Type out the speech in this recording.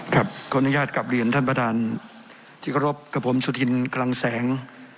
ครับขออนุญาตกับเรียนท่านประธานที่กรบกับผมสุธินกลางแสง